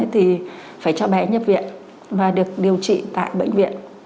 thì phải cho bé nhập viện và được điều trị tại bệnh viện